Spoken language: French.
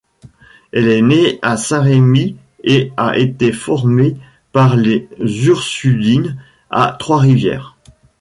Elle est née à Saint-Rémi et a été formée par les Ursulines à Trois-Rivières.